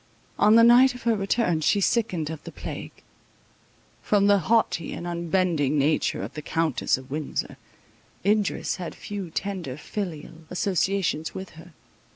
On the night of her return she sickened of the plague. From the haughty and unbending nature of the Countess of Windsor, Idris had few tender filial associations with her.